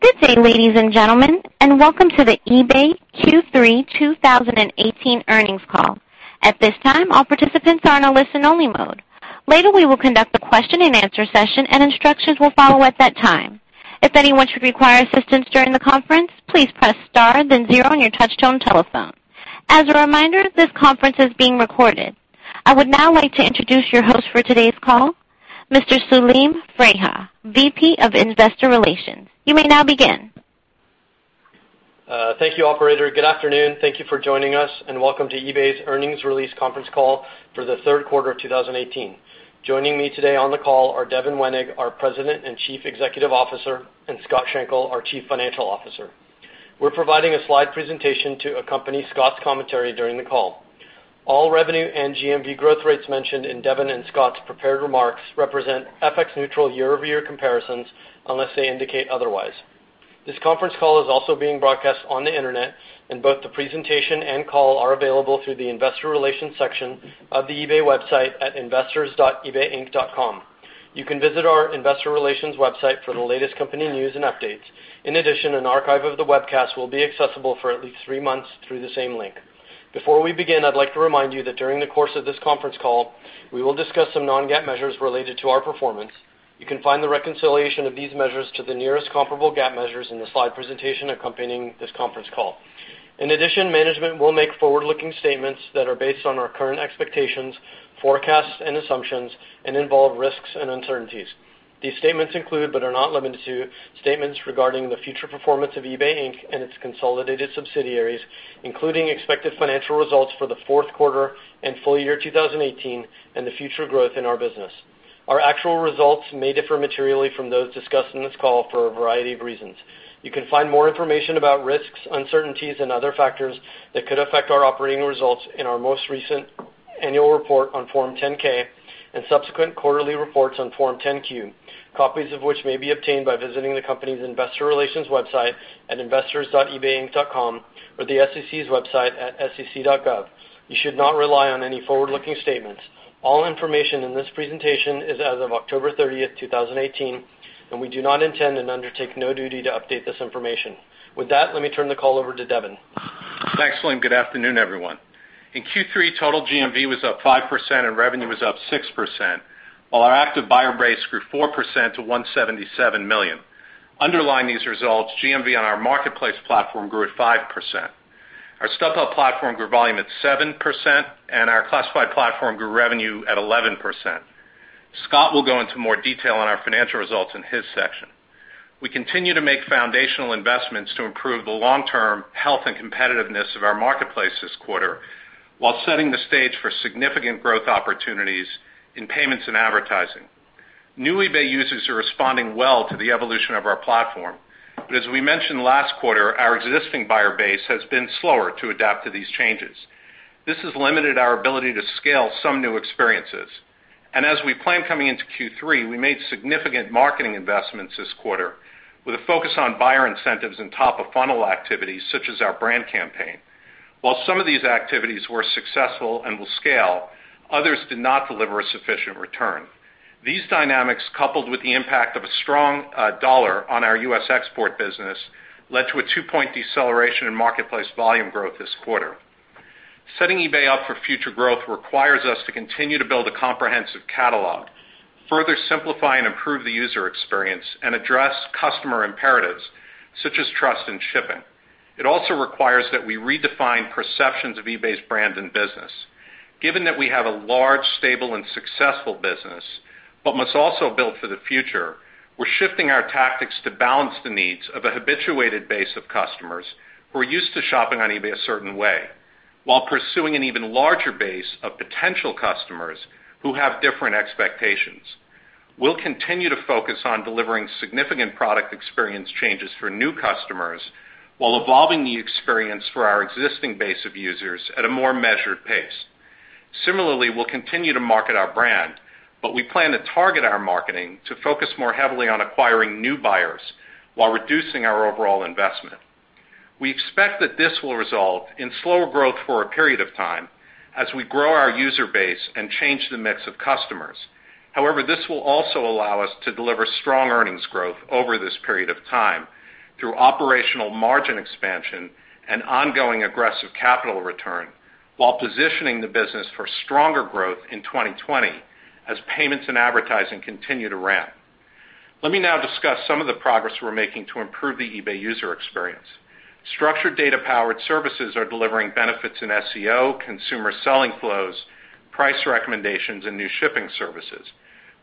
Good day, ladies and gentlemen. Welcome to the eBay Q3 2018 earnings call. At this time, all participants are in a listen only mode. Later, we will conduct a question and answer session. Instructions will follow at that time. If anyone should require assistance during the conference, please press star then zero on your touchtone telephone. As a reminder, this conference is being recorded. I would now like to introduce your host for today's call, Mr. Selim Freiha, VP of Investor Relations. You may now begin. Thank you, operator. Good afternoon. Thank you for joining us. Welcome to eBay's earnings release conference call for the third quarter of 2018. Joining me today on the call are Devin Wenig, our President and Chief Executive Officer, and Scott Schenkel, our Chief Financial Officer. We're providing a slide presentation to accompany Scott's commentary during the call. All revenue and GMV growth rates mentioned in Devin and Scott's prepared remarks represent FX neutral year-over-year comparisons unless they indicate otherwise. This conference call is also being broadcast on the internet. Both the presentation and call are available through the investor relations section of the eBay website at investors.ebayinc.com. You can visit our investor relations website for the latest company news and updates. In addition, an archive of the webcast will be accessible for at least three months through the same link. Before we begin, I'd like to remind you that during the course of this conference call, we will discuss some non-GAAP measures related to our performance. You can find the reconciliation of these measures to the nearest comparable GAAP measures in the slide presentation accompanying this conference call. In addition, management will make forward-looking statements that are based on our current expectations, forecasts, and assumptions and involve risks and uncertainties. These statements include, but are not limited to, statements regarding the future performance of eBay Inc. and its consolidated subsidiaries, including expected financial results for the fourth quarter and full year 2018 and the future growth in our business. Our actual results may differ materially from those discussed in this call for a variety of reasons. You can find more information about risks, uncertainties, and other factors that could affect our operating results in our most recent annual report on Form 10-K and subsequent quarterly reports on Form 10-Q, copies of which may be obtained by visiting the company's investor relations website at investors.ebayinc.com or the SEC's website at sec.gov. You should not rely on any forward-looking statements. All information in this presentation is as of October 30th, 2018. We do not intend and undertake no duty to update this information. With that, let me turn the call over to Devin. Thanks, Selim. Good afternoon, everyone. In Q3, total GMV was up 5% and revenue was up 6%, while our active buyer base grew 4% to 177 million. Underlying these results, GMV on our marketplace platform grew at 5%. Our StubHub platform grew volume at 7%, and our Classifieds platform grew revenue at 11%. Scott will go into more detail on our financial results in his section. We continue to make foundational investments to improve the long-term health and competitiveness of our marketplace this quarter, while setting the stage for significant growth opportunities in payments and advertising. New eBay users are responding well to the evolution of our platform. As we mentioned last quarter, our existing buyer base has been slower to adapt to these changes. This has limited our ability to scale some new experiences. As we planned coming into Q3, we made significant marketing investments this quarter with a focus on buyer incentives and top-of-funnel activities such as our brand campaign. While some of these activities were successful and will scale, others did not deliver a sufficient return. These dynamics, coupled with the impact of a strong dollar on our U.S. export business, led to a two-point deceleration in marketplace volume growth this quarter. Setting eBay up for future growth requires us to continue to build a comprehensive catalog, further simplify and improve the user experience, and address customer imperatives such as trust and shipping. It also requires that we redefine perceptions of eBay's brand and business. Given that we have a large, stable, and successful business but must also build for the future, we're shifting our tactics to balance the needs of a habituated base of customers who are used to shopping on eBay a certain way while pursuing an even larger base of potential customers who have different expectations. We'll continue to focus on delivering significant product experience changes for new customers while evolving the experience for our existing base of users at a more measured pace. Similarly, we'll continue to market our brand, we plan to target our marketing to focus more heavily on acquiring new buyers while reducing our overall investment. We expect that this will result in slower growth for a period of time as we grow our user base and change the mix of customers. However, this will also allow us to deliver strong earnings growth over this period of time through operational margin expansion and ongoing aggressive capital return while positioning the business for stronger growth in 2020 as payments and advertising continue to ramp. Let me now discuss some of the progress we're making to improve the eBay user experience. Structured data-powered services are delivering benefits in SEO, consumer selling flows, price recommendations, and new shipping services.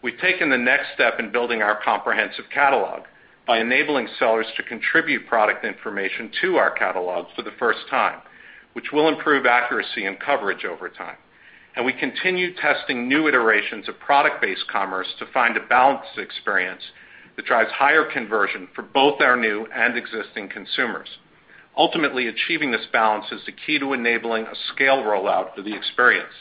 We've taken the next step in building our comprehensive catalog by enabling sellers to contribute product information to our catalog for the first time, which will improve accuracy and coverage over time. We continue testing new iterations of product-based commerce to find a balanced experience that drives higher conversion for both our new and existing consumers. Ultimately, achieving this balance is the key to enabling a scale rollout for the experience.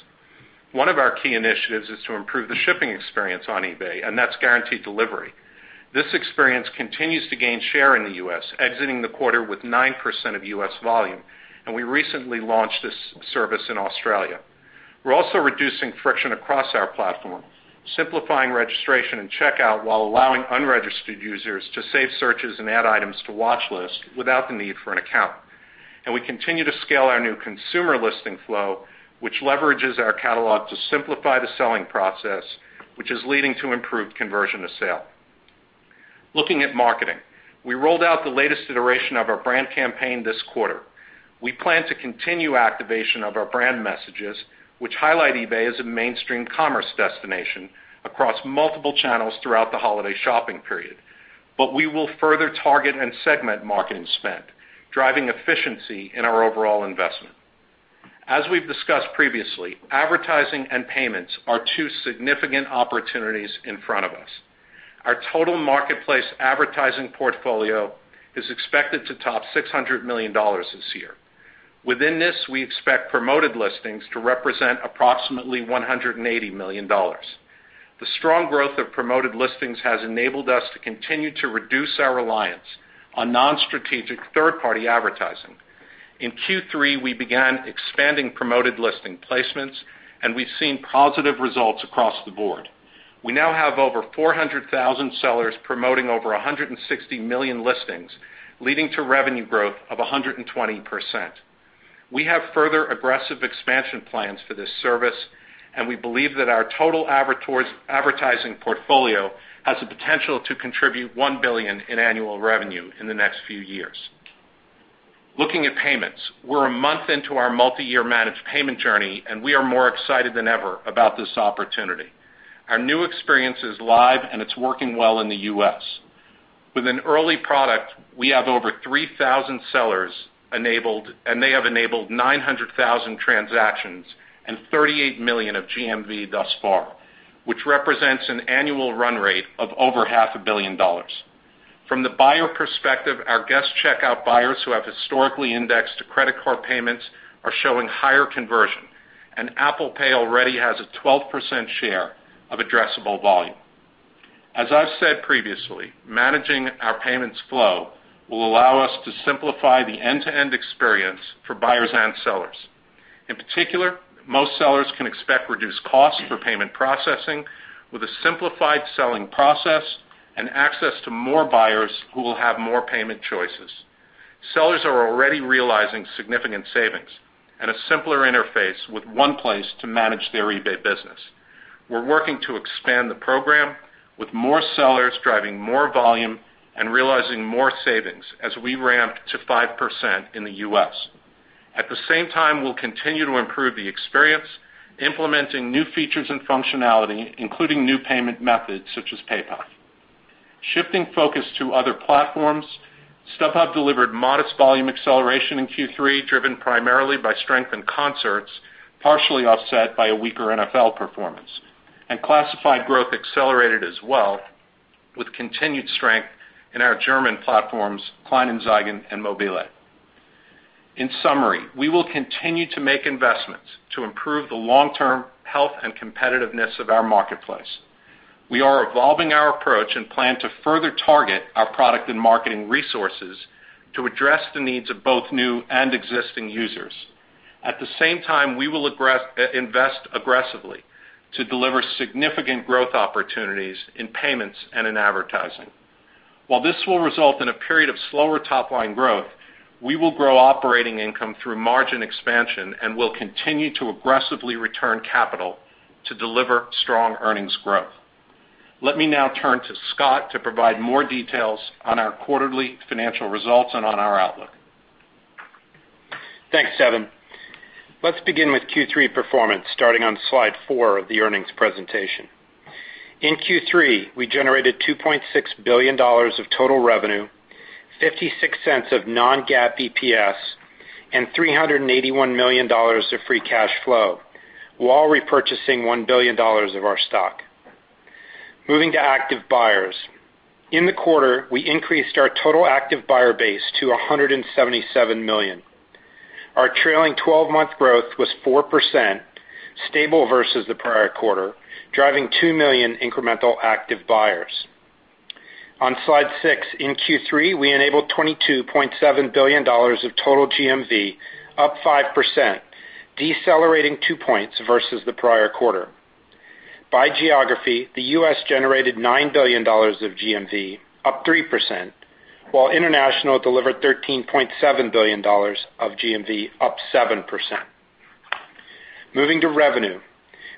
One of our key initiatives is to improve the shipping experience on eBay, and that's Guaranteed Delivery. This experience continues to gain share in the U.S., exiting the quarter with 9% of U.S. volume, we recently launched this service in Australia. We're also reducing friction across our platform, simplifying registration and checkout while allowing unregistered users to save searches and add items to watch lists without the need for an account. We continue to scale our new consumer listing flow, which leverages our catalog to simplify the selling process, which is leading to improved conversion to sale. Looking at marketing, we rolled out the latest iteration of our brand campaign this quarter. We plan to continue activation of our brand messages, which highlight eBay as a mainstream commerce destination across multiple channels throughout the holiday shopping period. We will further target and segment marketing spend, driving efficiency in our overall investment. As we've discussed previously, advertising and payments are two significant opportunities in front of us. Our total marketplace advertising portfolio is expected to top $600 million this year. Within this, we expect Promoted Listings to represent approximately $180 million. The strong growth of Promoted Listings has enabled us to continue to reduce our reliance on non-strategic third-party advertising. In Q3, we began expanding Promoted Listings placements, we've seen positive results across the board. We now have over 400,000 sellers promoting over 160 million listings, leading to revenue growth of 120%. We have further aggressive expansion plans for this service, we believe that our total advertising portfolio has the potential to contribute $1 billion in annual revenue in the next few years. Looking at payments, we're a month into our multi-year Managed Payments journey, we are more excited than ever about this opportunity. Our new experience is live, it's working well in the U.S. With an early product, we have over 3,000 sellers enabled, they have enabled 900,000 transactions and $38 million of GMV thus far, which represents an annual run rate of over half a billion dollars. From the buyer perspective, our guest checkout buyers who have historically indexed to credit card payments are showing higher conversion, Apple Pay already has a 12% share of addressable volume. As I've said previously, managing our payments flow will allow us to simplify the end-to-end experience for buyers and sellers. In particular, most sellers can expect reduced costs for payment processing with a simplified selling process and access to more buyers who will have more payment choices. Sellers are already realizing significant savings and a simpler interface with one place to manage their eBay business. We're working to expand the program with more sellers driving more volume and realizing more savings as we ramp to 5% in the U.S. At the same time, we'll continue to improve the experience, implementing new features and functionality, including new payment methods such as PayPal. Shifting focus to other platforms, StubHub delivered modest volume acceleration in Q3, driven primarily by strength in concerts, partially offset by a weaker NFL performance. Classified growth accelerated as well, with continued strength in our German platforms, Kleinanzeigen and Mobile. In summary, we will continue to make investments to improve the long-term health and competitiveness of our marketplace. We are evolving our approach and plan to further target our product and marketing resources to address the needs of both new and existing users. At the same time, we will invest aggressively to deliver significant growth opportunities in payments and in advertising. While this will result in a period of slower top-line growth, we will grow operating income through margin expansion and will continue to aggressively return capital to deliver strong earnings growth. Let me now turn to Scott to provide more details on our quarterly financial results and on our outlook. Thanks, Devin. Let's begin with Q3 performance, starting on slide four of the earnings presentation. In Q3, we generated $2.6 billion of total revenue, $0.56 of non-GAAP EPS, and $381 million of free cash flow while repurchasing $1 billion of our stock. Moving to active buyers. In the quarter, we increased our total active buyer base to 177 million. Our trailing 12-month growth was 4%, stable versus the prior quarter, driving two million incremental active buyers. On slide six, in Q3, we enabled $22.7 billion of total GMV, up 5%, decelerating two points versus the prior quarter. By geography, the U.S. generated $9 billion of GMV, up 3%, while international delivered $13.7 billion of GMV, up 7%. Moving to revenue.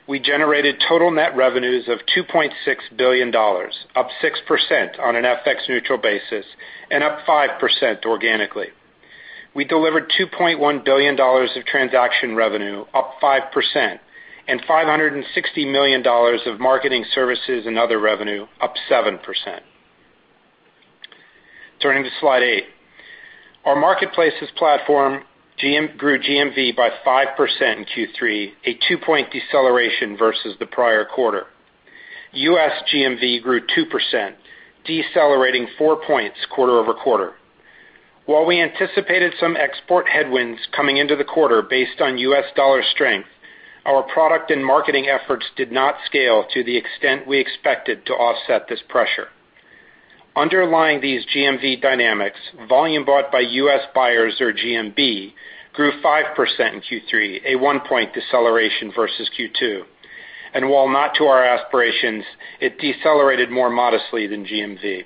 We generated total net revenues of $2.6 billion, up 6% on an FX neutral basis and up 5% organically. We delivered $2.1 billion of transaction revenue, up 5%, and $560 million of marketing services and other revenue, up 7%. Turning to slide eight. Our marketplaces platform grew GMV by 5% in Q3, a two-point deceleration versus the prior quarter. U.S. GMV grew 2%, decelerating four points quarter-over-quarter. While we anticipated some export headwinds coming into the quarter based on U.S. dollar strength, our product and marketing efforts did not scale to the extent we expected to offset this pressure. Underlying these GMV dynamics, volume bought by U.S. buyers or GMV, grew 5% in Q3, a one-point deceleration versus Q2. While not to our aspirations, it decelerated more modestly than GMV.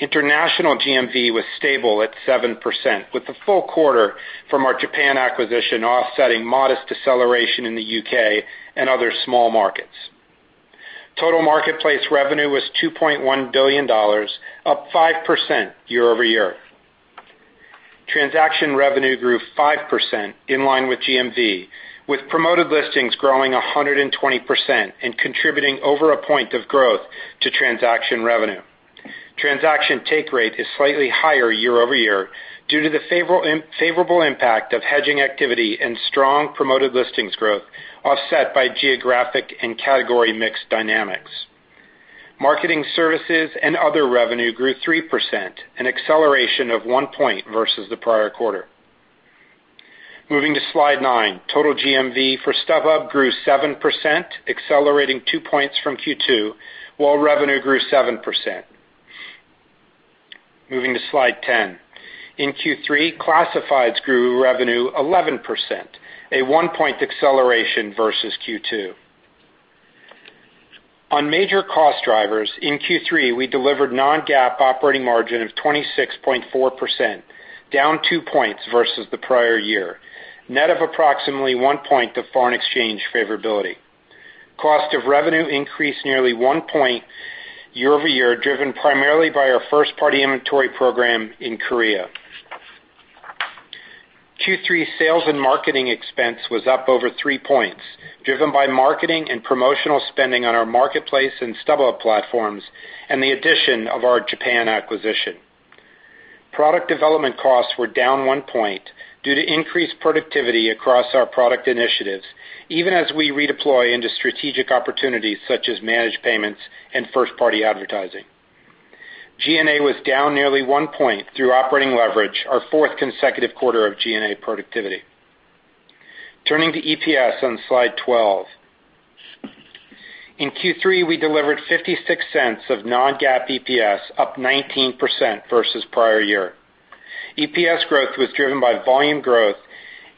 International GMV was stable at 7%, with the full quarter from our Japan acquisition offsetting modest deceleration in the U.K. and other small markets. Total marketplace revenue was $2.1 billion, up 5% year-over-year. Transaction revenue grew 5% in line with GMV, with Promoted Listings growing 120% and contributing over one point of growth to transaction revenue. Transaction take rate is slightly higher year-over-year due to the favorable impact of hedging activity and strong Promoted Listings growth offset by geographic and category mix dynamics. Marketing services and other revenue grew 3%, an acceleration of one point versus the prior quarter. Moving to slide nine. Total GMV for StubHub grew 7%, accelerating two points from Q2, while revenue grew 7%. Moving to slide 10. In Q3, classifieds grew revenue 11%, a one-point acceleration versus Q2. On major cost drivers, in Q3, we delivered non-GAAP operating margin of 26.4%, down two points versus the prior year, net of approximately one point of foreign exchange favorability. Cost of revenue increased nearly one point year-over-year, driven primarily by our first-party inventory program in Korea. Q3 sales and marketing expense was up over three points, driven by marketing and promotional spending on our marketplace and StubHub platforms and the addition of our Japan acquisition. Product development costs were down one point due to increased productivity across our product initiatives, even as we redeploy into strategic opportunities such as Managed Payments and first-party advertising. G&A was down nearly one point through operating leverage, our fourth consecutive quarter of G&A productivity. Turning to EPS on slide 12. In Q3, we delivered $0.56 of non-GAAP EPS, up 19% versus prior year. EPS growth was driven by volume growth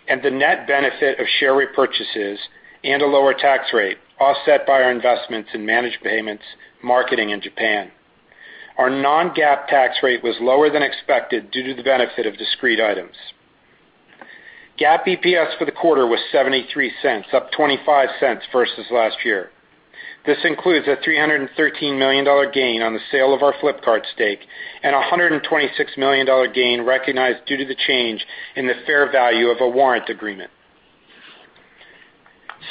and the net benefit of share repurchases and a lower tax rate, offset by our investments in Managed Payments marketing in Japan. Our non-GAAP tax rate was lower than expected due to the benefit of discrete items. GAAP EPS for the quarter was $0.73, up $0.25 versus last year. This includes a $313 million gain on the sale of our Flipkart stake and a $126 million gain recognized due to the change in the fair value of a warrant agreement.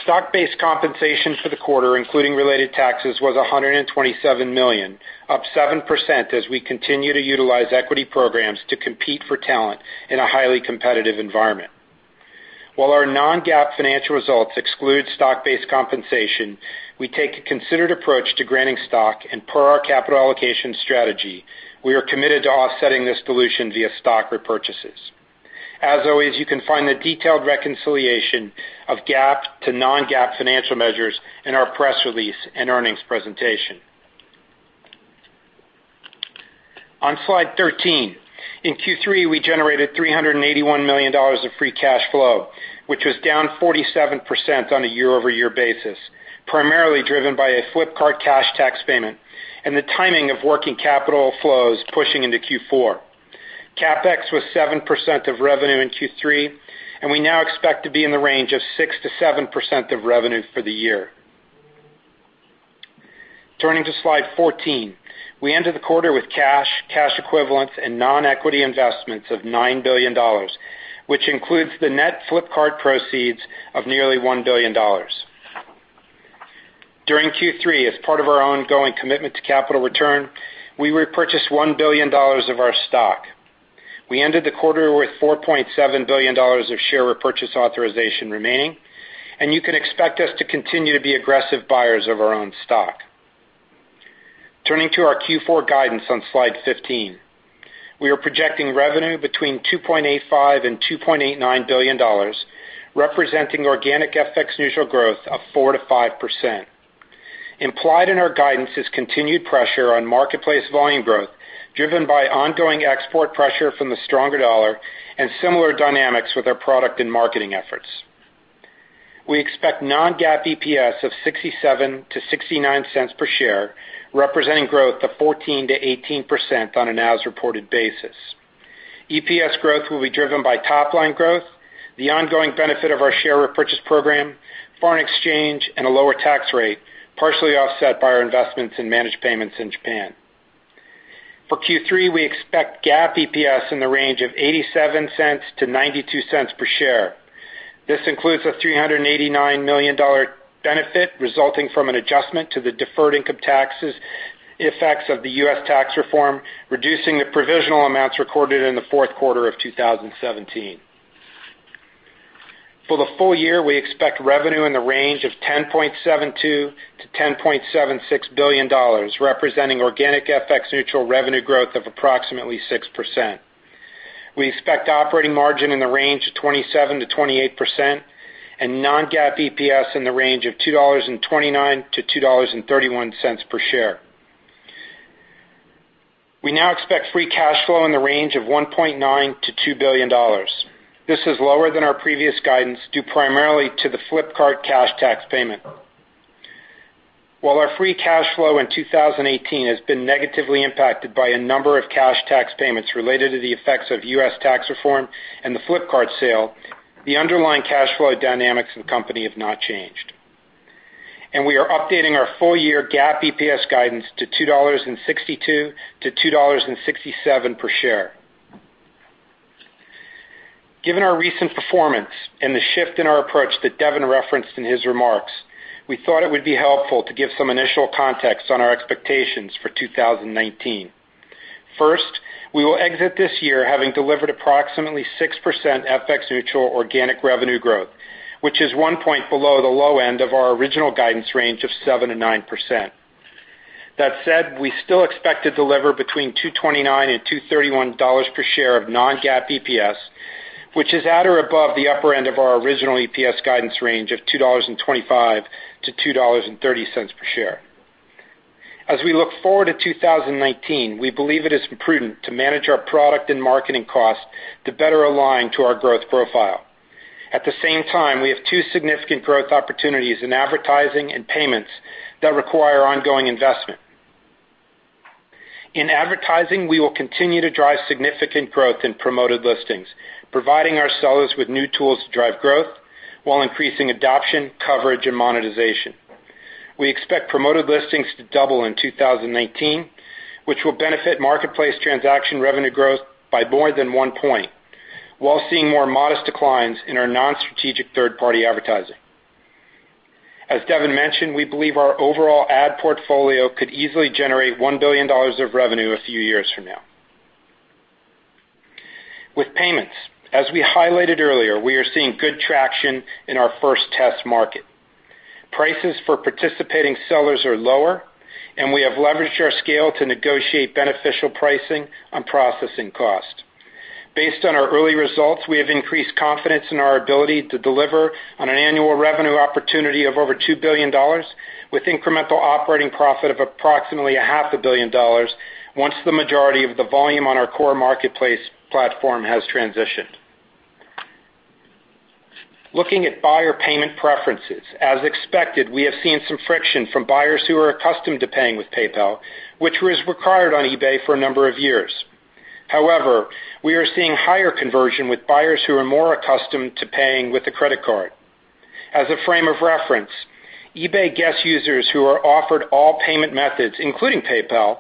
Stock-based compensation for the quarter, including related taxes, was $127 million, up 7% as we continue to utilize equity programs to compete for talent in a highly competitive environment. While our non-GAAP financial results exclude stock-based compensation, we take a considered approach to granting stock, and per our capital allocation strategy, we are committed to offsetting this dilution via stock repurchases. As always, you can find the detailed reconciliation of GAAP to non-GAAP financial measures in our press release and earnings presentation. On slide 13. In Q3, we generated $381 million of free cash flow, which was down 47% on a year-over-year basis, primarily driven by a Flipkart cash tax payment and the timing of working capital flows pushing into Q4. CapEx was 7% of revenue in Q3, and we now expect to be in the range of 6%-7% of revenue for the year. Turning to slide 14. We ended the quarter with cash equivalents, and non-equity investments of $9 billion, which includes the net Flipkart proceeds of nearly $1 billion. During Q3, as part of our ongoing commitment to capital return, we repurchased $1 billion of our stock. We ended the quarter with $4.7 billion of share repurchase authorization remaining, and you can expect us to continue to be aggressive buyers of our own stock. Turning to our Q4 guidance on slide 15. We are projecting revenue between $2.85 billion and $2.89 billion, representing organic FX neutral growth of 4%-5%. Implied in our guidance is continued pressure on marketplace volume growth, driven by ongoing export pressure from the stronger dollar and similar dynamics with our product and marketing efforts. We expect non-GAAP EPS of $0.67-$0.69 per share, representing growth of 14%-18% on an as-reported basis. EPS growth will be driven by top-line growth, the ongoing benefit of our share repurchase program, foreign exchange, and a lower tax rate, partially offset by our investments in Managed Payments in Japan. For Q3, we expect GAAP EPS in the range of $0.87-$0.92 per share. This includes a $389 million benefit resulting from an adjustment to the deferred income taxes effects of the U.S. tax reform, reducing the provisional amounts recorded in the fourth quarter of 2017. For the full year, we expect revenue in the range of $10.72 billion-$10.76 billion, representing organic FX neutral revenue growth of approximately 6%. We expect operating margin in the range of 27%-28% and non-GAAP EPS in the range of $2.29-$2.31 per share. We now expect free cash flow in the range of $1.9 billion-$2 billion. This is lower than our previous guidance, due primarily to the Flipkart cash tax payment. While our free cash flow in 2018 has been negatively impacted by a number of cash tax payments related to the effects of U.S. tax reform and the Flipkart sale, the underlying cash flow dynamics of the company have not changed, and we are updating our full year GAAP EPS guidance to $2.62-$2.67 per share. Given our recent performance and the shift in our approach that Devin referenced in his remarks, we thought it would be helpful to give some initial context on our expectations for 2019. First, we will exit this year having delivered approximately 6% FX-neutral organic revenue growth, which is one point below the low end of our original guidance range of 7%-9%. That said, we still expect to deliver between $2.29 and $2.31 per share of non-GAAP EPS, which is at or above the upper end of our original EPS guidance range of $2.25-$2.30 per share. As we look forward to 2019, we believe it is prudent to manage our product and marketing costs to better align to our growth profile. At the same time, we have two significant growth opportunities in advertising and payments that require ongoing investment. In advertising, we will continue to drive significant growth in Promoted Listings, providing our sellers with new tools to drive growth while increasing adoption, coverage, and monetization. We expect Promoted Listings to double in 2019, which will benefit marketplace transaction revenue growth by more than one point, while seeing more modest declines in our non-strategic third-party advertising. As Devin mentioned, we believe our overall ad portfolio could easily generate $1 billion of revenue a few years from now. With payments, as we highlighted earlier, we are seeing good traction in our first test market. Prices for participating sellers are lower, and we have leveraged our scale to negotiate beneficial pricing on processing costs. Based on our early results, we have increased confidence in our ability to deliver on an annual revenue opportunity of over $2 billion with incremental operating profit of approximately $500 million once the majority of the volume on our core marketplace platform has transitioned. Looking at buyer payment preferences, as expected, we have seen some friction from buyers who are accustomed to paying with PayPal, which was required on eBay for a number of years. However, we are seeing higher conversion with buyers who are more accustomed to paying with a credit card. As a frame of reference, eBay guest users who are offered all payment methods, including PayPal,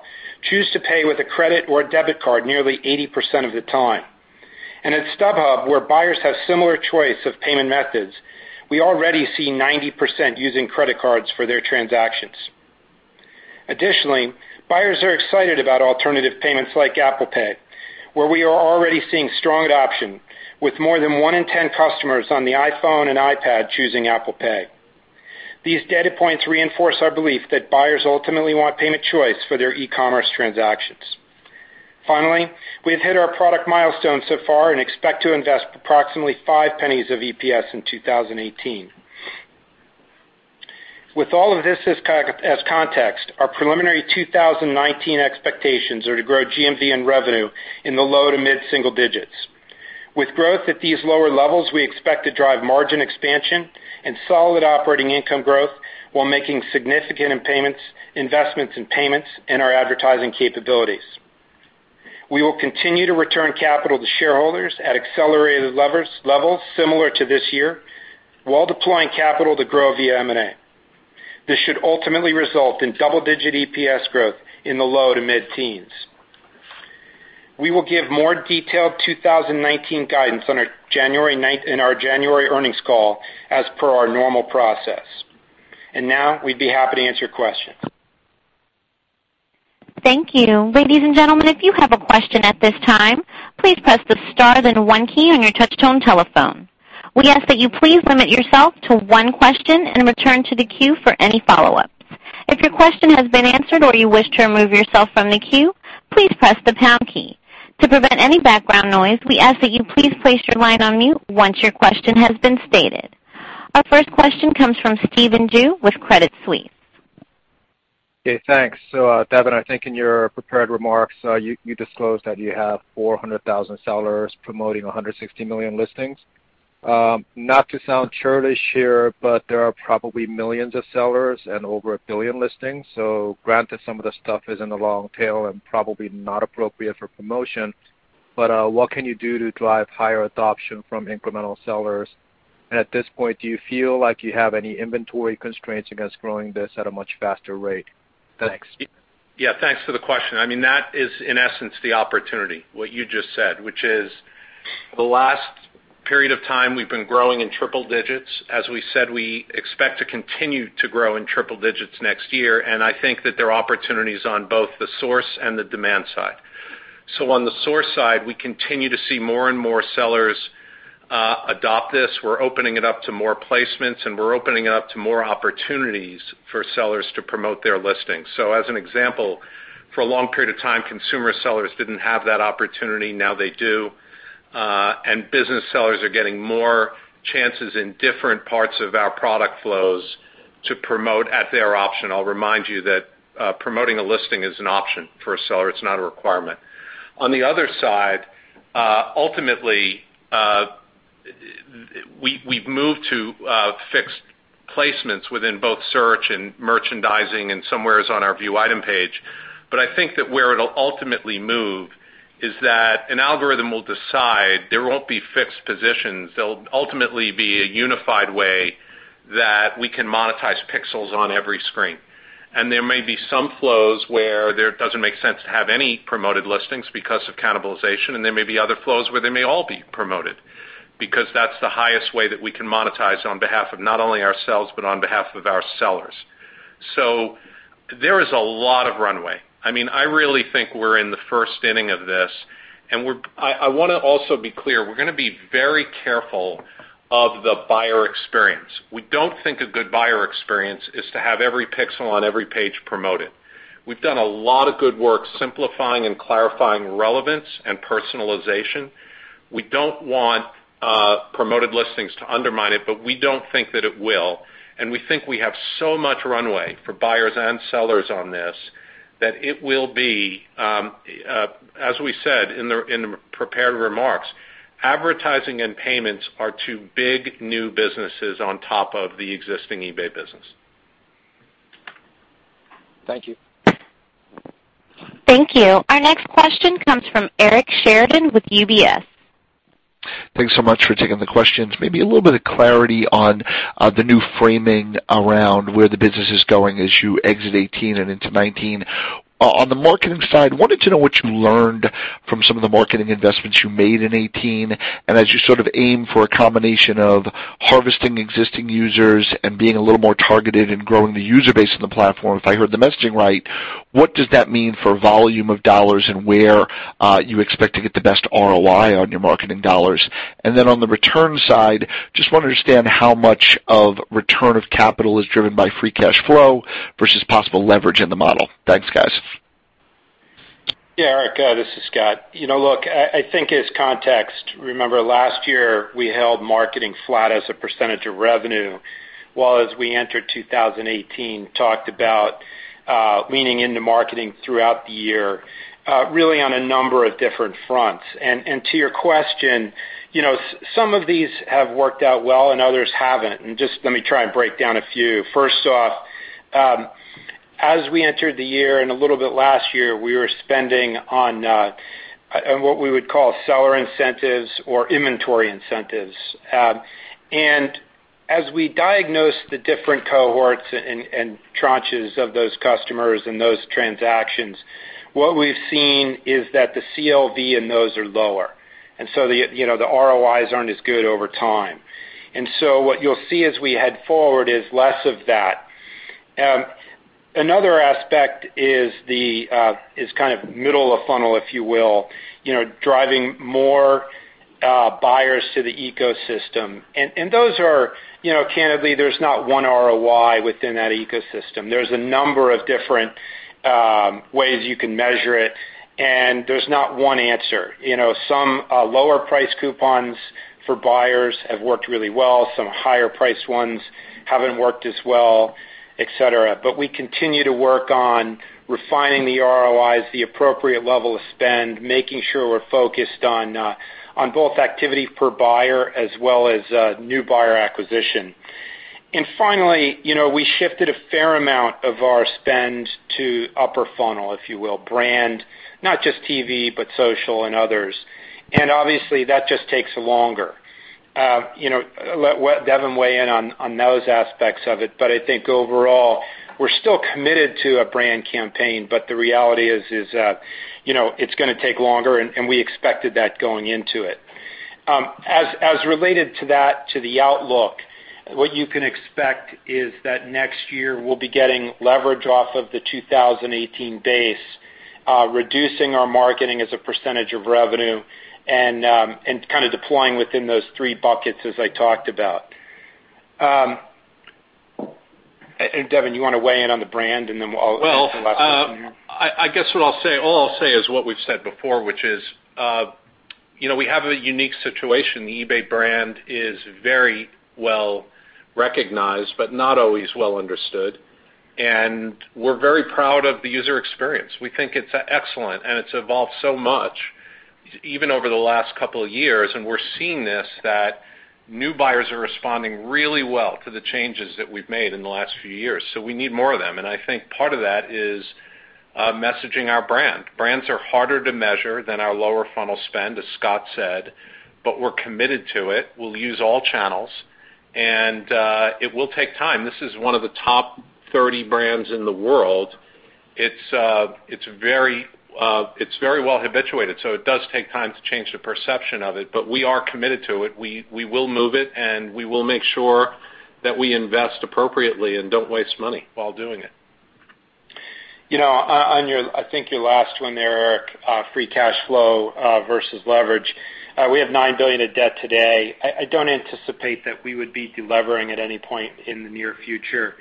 choose to pay with a credit or debit card nearly 80% of the time. At StubHub, where buyers have similar choice of payment methods, we already see 90% using credit cards for their transactions. Additionally, buyers are excited about alternative payments like Apple Pay, where we are already seeing strong adoption, with more than one in 10 customers on the iPhone and iPad choosing Apple Pay. These data points reinforce our belief that buyers ultimately want payment choice for their e-commerce transactions. Finally, we have hit our product milestones so far and expect to invest approximately five pennies of EPS in 2018. With all of this as context, our preliminary 2019 expectations are to grow GMV and revenue in the low to mid-single digits. With growth at these lower levels, we expect to drive margin expansion and solid operating income growth while making significant investments in payments and our advertising capabilities. We will continue to return capital to shareholders at accelerated levels similar to this year while deploying capital to grow via M&A. This should ultimately result in double-digit EPS growth in the low to mid-teens. We will give more detailed 2019 guidance in our January earnings call as per our normal process. Now, we'd be happy to answer your questions. Thank you. Ladies and gentlemen, if you have a question at this time, please press the star then one key on your touch-tone telephone. We ask that you please limit yourself to one question and return to the queue for any follow-ups. If your question has been answered or you wish to remove yourself from the queue, please press the pound key. To prevent any background noise, we ask that you please place your line on mute once your question has been stated. Our first question comes from Stephen Ju with Credit Suisse. Okay, thanks. Devin, I think in your prepared remarks, you disclosed that you have 400,000 sellers promoting 160 million listings. Not to sound churlish here, there are probably millions of sellers and over a billion listings. Granted, some of the stuff is in the long tail and probably not appropriate for promotion, what can you do to drive higher adoption from incremental sellers? At this point, do you feel like you have any inventory constraints against growing this at a much faster rate? Thanks. Yeah, thanks for the question. That is in essence the opportunity, what you just said, which is the last period of time we've been growing in triple digits. As we said, we expect to continue to grow in triple digits next year. I think that there are opportunities on both the source and the demand side. On the source side, we continue to see more and more sellers adopt this. We're opening it up to more placements. We're opening it up to more opportunities for sellers to promote their Promoted Listings. As an example, for a long period of time, consumer sellers didn't have that opportunity. Now they do. Business sellers are getting more chances in different parts of our product flows to promote at their option. I'll remind you that promoting a listing is an option for a seller. It's not a requirement. On the other side, ultimately, we've moved to fixed placements within both search and merchandising and somewhere on our view item page. I think that where it'll ultimately move is that an algorithm will decide there won't be fixed positions. There'll ultimately be a unified way that we can monetize pixels on every screen. There may be some flows where it doesn't make sense to have any Promoted Listings because of cannibalization. There may be other flows where they may all be promoted because that's the highest way that we can monetize on behalf of not only ourselves but on behalf of our sellers. There is a lot of runway. I really think we're in the first inning of this. I want to also be clear, we're going to be very careful of the buyer experience. We don't think a good buyer experience is to have every pixel on every page promoted. We've done a lot of good work simplifying and clarifying relevance and personalization. We don't want Promoted Listings to undermine it. We don't think that it will. We think we have so much runway for buyers and sellers on this that it will be, as we said in the prepared remarks, advertising and payments are two big new businesses on top of the existing eBay business. Thank you. Thank you. Our next question comes from Eric Sheridan with UBS. Thanks so much for taking the questions. Maybe a little bit of clarity on the new framing around where the business is going as you exit 2018 and into 2019. On the marketing side, wanted to know what you learned from some of the marketing investments you made in 2018, as you sort of aim for a combination of harvesting existing users and being a little more targeted in growing the user base in the platform, if I heard the messaging right, what does that mean for volume of dollars and where you expect to get the best ROI on your marketing dollars? Then on the return side, just want to understand how much of return of capital is driven by free cash flow versus possible leverage in the model. Thanks, guys. Yeah, Eric, this is Scott. Look, I think as context, remember last year, we held marketing flat as a percentage of revenue, while as we entered 2018, talked about leaning into marketing throughout the year really on a number of different fronts. To your question, some of these have worked out well and others haven't, just let me try and break down a few. First off, as we entered the year and a little bit last year, we were spending on what we would call seller incentives or inventory incentives. As we diagnose the different cohorts and tranches of those customers and those transactions, what we've seen is that the CLV and those are lower. The ROIs aren't as good over time. What you'll see as we head forward is less of that. Another aspect is kind of middle of funnel, if you will, driving more buyers to the ecosystem. Candidly, there's not one ROI within that ecosystem. There's a number of different ways you can measure it, and there's not one answer. Some lower-priced coupons for buyers have worked really well. Some higher-priced ones haven't worked as well, et cetera. We continue to work on refining the ROIs, the appropriate level of spend, making sure we're focused on both activity per buyer as well as new buyer acquisition. Finally, we shifted a fair amount of our spend to upper funnel, if you will, brand, not just TV, but social and others. Obviously, that just takes longer. I'll let Devin weigh in on those aspects of it. I think overall, we're still committed to a brand campaign. The reality is it's going to take longer, and we expected that going into it. As related to that, to the outlook, what you can expect is that next year we'll be getting leverage off of the 2018 base, reducing our marketing as a percentage of revenue and kind of deploying within those three buckets as I talked about. Devin, you want to weigh in on the brand, then I'll answer the last question here? Well, I guess all I'll say is what we've said before, which is we have a unique situation. The eBay brand is very well recognized but not always well understood. We're very proud of the user experience. We think it's excellent. It's evolved so much even over the last couple of years. We're seeing this, that new buyers are responding really well to the changes that we've made in the last few years. We need more of them, and I think part of that is messaging our brand. Brands are harder to measure than our lower funnel spend, as Scott said. We're committed to it. We'll use all channels, and it will take time. This is one of the top 30 brands in the world. It's very well habituated, so it does take time to change the perception of it. We are committed to it. We will move it, and we will make sure that we invest appropriately and don't waste money while doing it. On I think your last one there, Eric, free cash flow versus leverage. We have $9 billion of debt today. I don't anticipate that we would be de-levering at any point in the near future.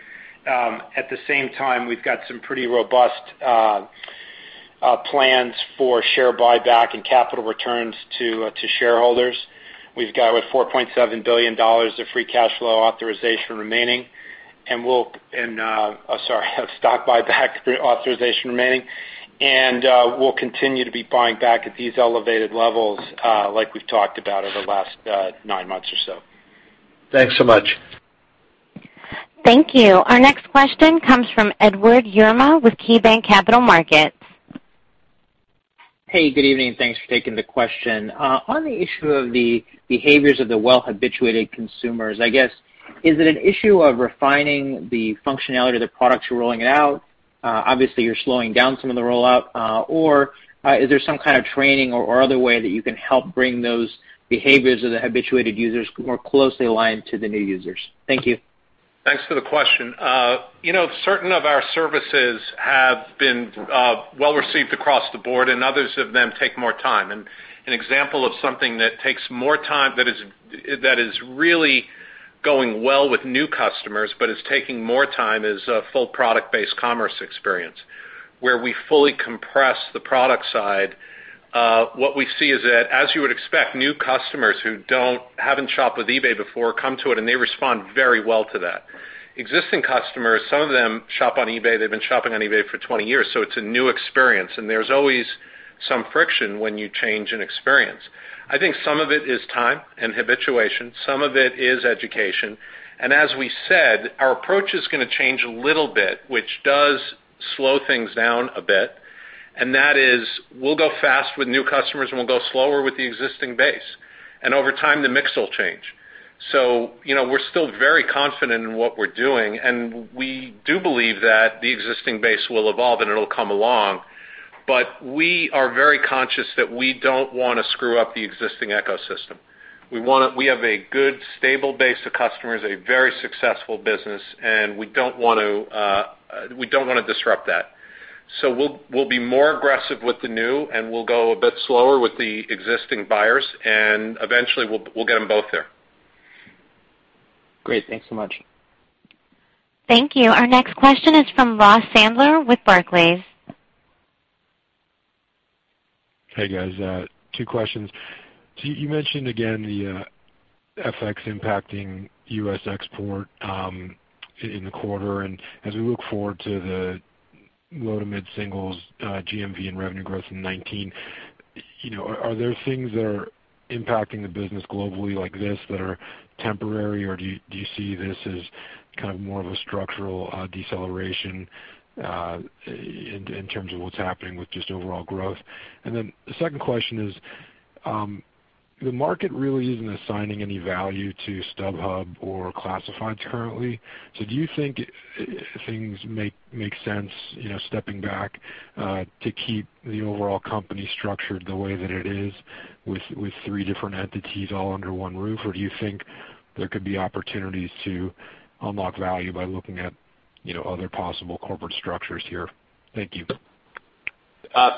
At the same time, we've got some pretty robust plans for share buyback and capital returns to shareholders. We've got over $4.7 billion of free cash flow authorization remaining, stock buyback authorization remaining. We'll continue to be buying back at these elevated levels, like we've talked about over the last nine months or so. Thanks so much. Thank you. Our next question comes from Edward Yruma with KeyBanc Capital Markets. Hey, good evening. Thanks for taking the question. On the issue of the behaviors of the well-habituated consumers, I guess, is it an issue of refining the functionality of the products you're rolling out? Obviously, you're slowing down some of the rollout, or is there some kind of training or other way that you can help bring those behaviors of the habituated users more closely aligned to the new users? Thank you. Thanks for the question. Certain of our services have been well-received across the board, others of them take more time. An example of something that takes more time, that is really going well with new customers but is taking more time, is a full product-based commerce experience, where we fully compress the product side. What we see is that as you would expect, new customers who haven't shopped with eBay before come to it, and they respond very well to that. Existing customers, some of them shop on eBay, they've been shopping on eBay for 20 years, so it's a new experience, and there's always some friction when you change an experience. I think some of it is time and habituation. Some of it is education. As we said, our approach is going to change a little bit, which does slow things down a bit, and that is we'll go fast with new customers, and we'll go slower with the existing base. Over time, the mix will change. We're still very confident in what we're doing, and we do believe that the existing base will evolve, and it'll come along. We are very conscious that we don't want to screw up the existing ecosystem. We have a good, stable base of customers, a very successful business, and we don't want to disrupt that. We'll be more aggressive with the new, and we'll go a bit slower with the existing buyers, and eventually, we'll get them both there. Great. Thanks so much. Thank you. Our next question is from Ross Sandler with Barclays. Hey, guys. Two questions. You mentioned again the FX impacting U.S. export in the quarter. As we look forward to the low-to-mid singles GMV and revenue growth in 2019, are there things that are impacting the business globally like this that are temporary, or do you see this as kind of more of a structural deceleration in terms of what's happening with just overall growth? The second question is, the market really isn't assigning any value to StubHub or Classifieds currently. Do you think things make sense, stepping back, to keep the overall company structured the way that it is with three different entities all under one roof, or do you think there could be opportunities to unlock value by looking at other possible corporate structures here? Thank you.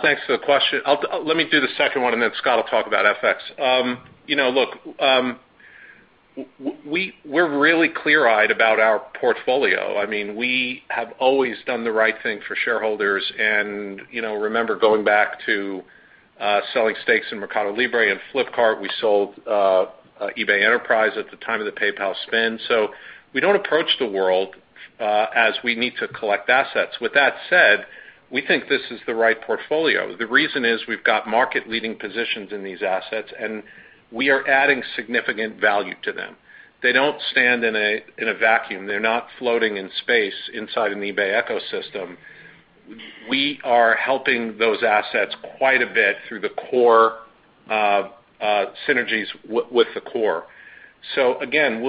Thanks for the question. Let me do the second one, and then Scott Schenkel will talk about FX. Look, we're really clear-eyed about our portfolio. We have always done the right thing for shareholders and remember going back to selling stakes in MercadoLibre and Flipkart. We sold eBay Enterprise at the time of the PayPal spin. We don't approach the world as we need to collect assets. With that said, we think this is the right portfolio. The reason is we've got market-leading positions in these assets, and we are adding significant value to them. They don't stand in a vacuum. They're not floating in space inside an eBay ecosystem. We are helping those assets quite a bit through the core synergies with the core. Again,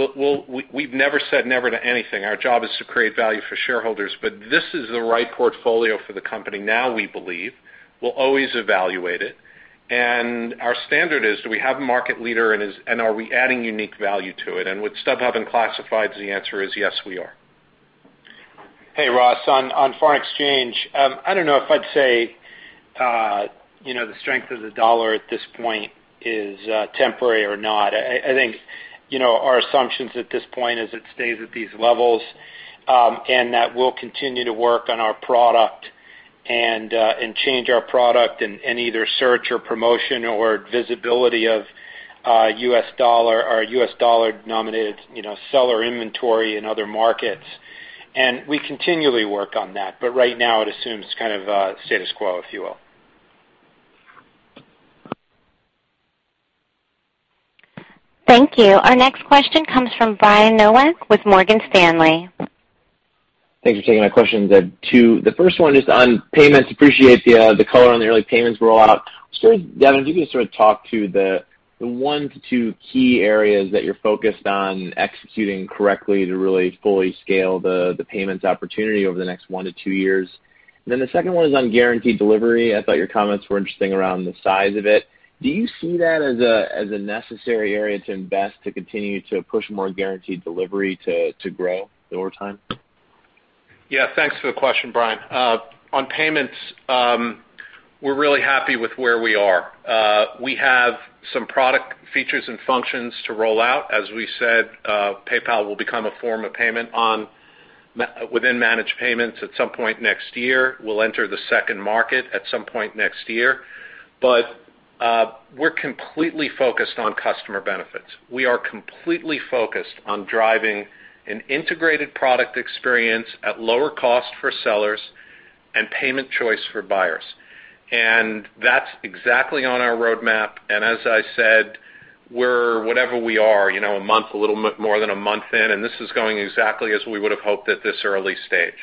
we've never said never to anything. Our job is to create value for shareholders, but this is the right portfolio for the company now, we believe. We'll always evaluate it. Our standard is, do we have a market leader, and are we adding unique value to it? With StubHub and Classified, the answer is yes, we are. Hey, Ross Sandler. On foreign exchange, I don't know if I'd say the strength of the dollar at this point is temporary or not. I think our assumption at this point is it stays at these levels, and that we'll continue to work on our product and change our product in either search or promotion or visibility of U.S. dollar or U.S. dollar-nominated seller inventory in other markets. We continually work on that. Right now, it assumes kind of a status quo, if you will. Thank you. Our next question comes from Brian Nowak with Morgan Stanley. Thanks for taking my questions. Two. The first one is on payments. Appreciate the color on the early payments rollout. Devin, can you sort of talk to the one to two key areas that you're focused on executing correctly to really fully scale the payments opportunity over the next one to two years? The second one is on Guaranteed Delivery. I thought your comments were interesting around the size of it. Do you see that as a necessary area to invest to continue to push more Guaranteed Delivery to grow over time? Yeah. Thanks for the question, Brian. On payments, we're really happy with where we are. We have some product features and functions to roll out. As we said, PayPal will become a form of payment within Managed Payments at some point next year. We'll enter the second market at some point next year. We're completely focused on customer benefits. We are completely focused on driving an integrated product experience at lower cost for sellers and payment choice for buyers. That's exactly on our roadmap, and as I said, we're whatever we are, a month, a little more than a month in, and this is going exactly as we would've hoped at this early stage.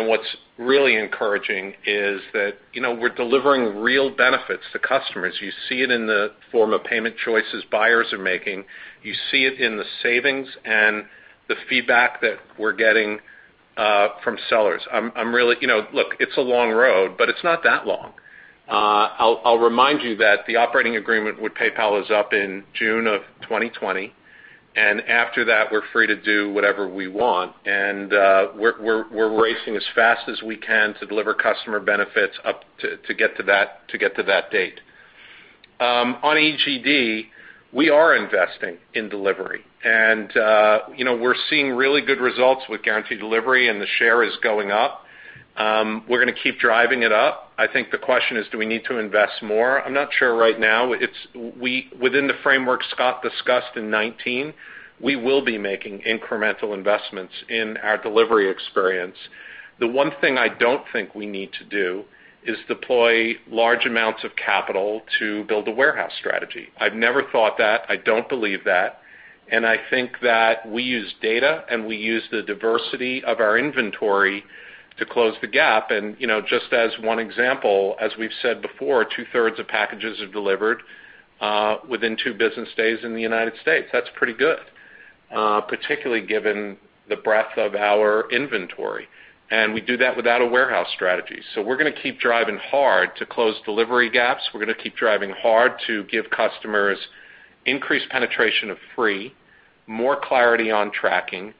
What's really encouraging is that we're delivering real benefits to customers. You see it in the form of payment choices buyers are making. You see it in the savings and the feedback that we're getting from sellers. Look, it's a long road, but it's not that long. I'll remind you that the operating agreement with PayPal is up in June of 2020, and after that, we're free to do whatever we want. We're racing as fast as we can to deliver customer benefits to get to that date. On EGD, we are investing in delivery, and we're seeing really good results with Guaranteed Delivery, and the share is going up. We're going to keep driving it up. I think the question is, do we need to invest more? I'm not sure right now. Within the framework Scott discussed in 2019, we will be making incremental investments in our delivery experience. The one thing I don't think we need to do is deploy large amounts of capital to build a warehouse strategy. I've never thought that. I don't believe that. I think that we use data, and we use the diversity of our inventory to close the gap. Just as one example, as we've said before, two-thirds of packages are delivered within two business days in the United States. That's pretty good, particularly given the breadth of our inventory. We do that without a warehouse strategy. We're going to keep driving hard to close delivery gaps. We're going to keep driving hard to give customers increased penetration of free, more clarity on tracking,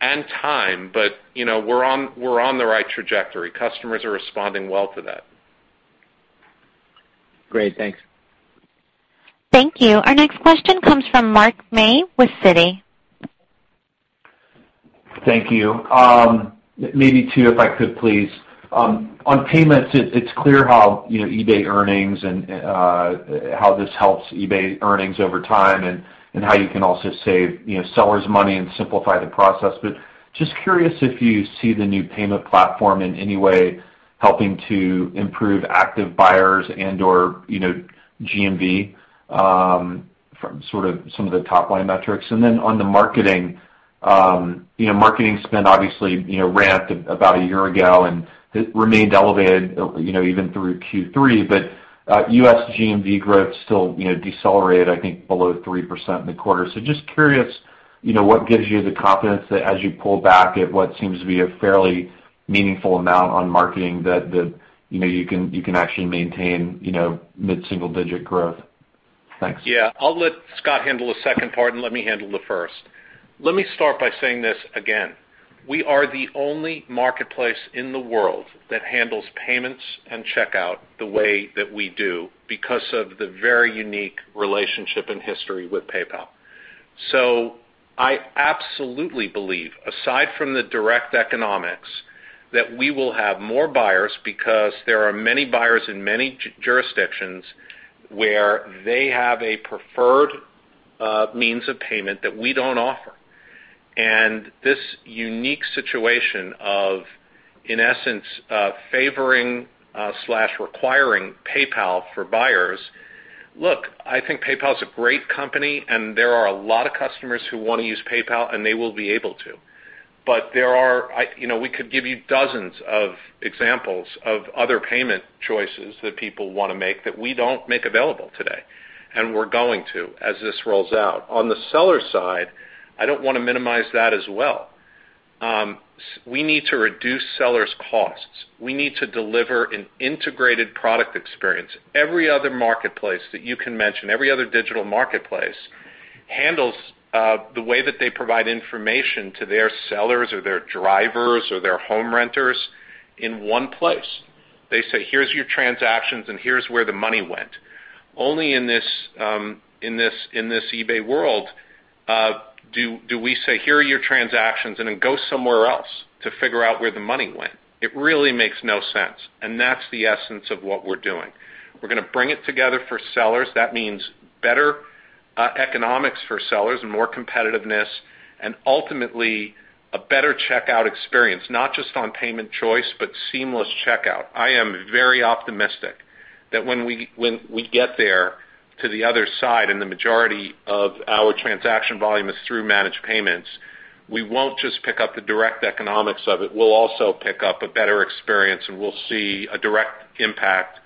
and time. We're on the right trajectory. Customers are responding well to that. Great. Thanks. Thank you. Our next question comes from Mark May with Citi. Thank you. Just curious if you see the new payment platform in any way helping to improve active buyers and/or GMV from some of the top-line metrics. On the marketing spend, obviously, ramped about a year ago, and it remained elevated even through Q3. U.S. GMV growth still decelerated, I think, below 3% in the quarter. Just curious, what gives you the confidence that as you pull back at what seems to be a fairly meaningful amount on marketing, that you can actually maintain mid-single-digit growth? Thanks. Yeah. I'll let Scott handle the second part, and let me handle the first. Let me start by saying this again. We are the only marketplace in the world that handles payments and checkout the way that we do because of the very unique relationship and history with PayPal. I absolutely believe, aside from the direct economics, that we will have more buyers because there are many buyers in many jurisdictions where they have a preferred means of payment that we don't offer. This unique situation of, in essence, favoring/requiring PayPal for buyers. Look, I think PayPal is a great company, and there are a lot of customers who want to use PayPal, and they will be able to. We could give you dozens of examples of other payment choices that people want to make that we don't make available today, and we're going to, as this rolls out. On the seller side, I don't want to minimize that as well. We need to reduce sellers' costs. We need to deliver an integrated product experience. Every other marketplace that you can mention, every other digital marketplace, handles the way that they provide information to their sellers or their drivers or their home renters in one place. They say, "Here's your transactions and here's where the money went." Only in this eBay world do we say, "Here are your transactions," and then go somewhere else to figure out where the money went. It really makes no sense, and that's the essence of what we're doing. We're going to bring it together for sellers. That means better economics for sellers and more competitiveness, and ultimately, a better checkout experience, not just on payment choice, but seamless checkout. I am very optimistic that when we get there to the other side and the majority of our transaction volume is through Managed Payments, we won't just pick up the direct economics of it. We'll also pick up a better experience, and we'll see a direct impact